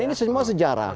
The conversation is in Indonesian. ini semua sejarah